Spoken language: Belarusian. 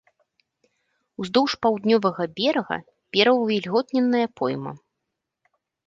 Уздоўж паўднёвага берага пераўвільготненая пойма.